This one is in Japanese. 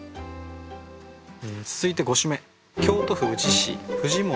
続いて５首目。